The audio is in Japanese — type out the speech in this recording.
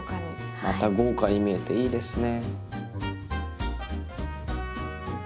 また豪華に見えていいですね。